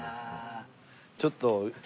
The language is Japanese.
ちょっと。